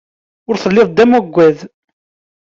Ur telliḍ d amagad.